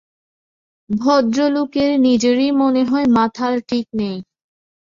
ভদ্রলোকের নিজেরই মনে হয় মাথার ঠিক নেই।